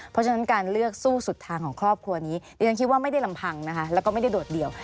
เพราะฉะนั้นการเลือกสู้สุดทางของครอบครัวนี้ดิฉันคิดว่าไม่ได้ลำพังนะคะแล้วก็ไม่ได้โดดเดี่ยว